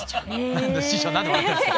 何で師匠何で笑ってるんですか。